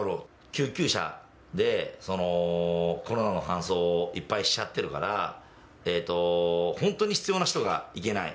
救急車でコロナの搬送をいっぱいしちゃってるから、本当に必要な人が行けない。